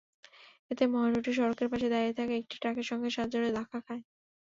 এতে মাহেন্দ্রটি সড়কের পাশে দাঁড়িয়ে থাকা একটি ট্রাকের সঙ্গে সজোরে ধাক্কা খায়।